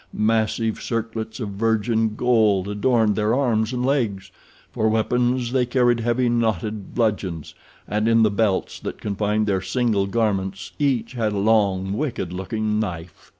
Massive circlets of virgin gold adorned their arms and legs. For weapons they carried heavy, knotted bludgeons, and in the belts that confined their single garments each had a long, wicked looking knife.